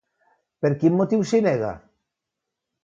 Per quin motiu s'hi nega?